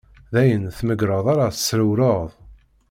D ayen tmegreḍ ara tesrewreḍ.